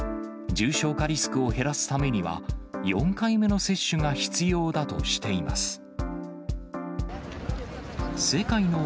重症化リスクを減らすためには、４回目の接種が必要だとしています。